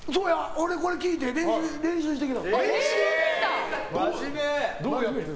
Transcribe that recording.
俺これ聞いて練習してきた。